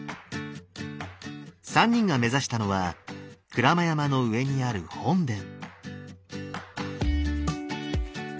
３人が目指したのは鞍馬山の上にある本殿。